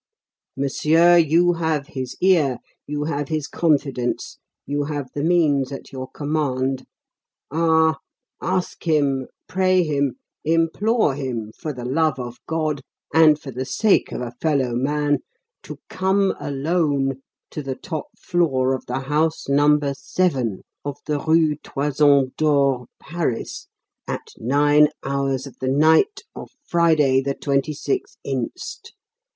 Monsieur, you have his ear, you have his confidence, you have the means at your command. Ah! ask him, pray him, implore him for the love of God, and the sake of a fellow man, to come alone to the top floor of the house number 7 of the Rue Toison d'Or, Paris, at nine hours of the night of Friday, the 26th inst.